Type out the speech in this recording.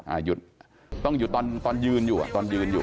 อ่าหยุดต้องหยุดตอนยืนอยู่ตอนยืนอยู่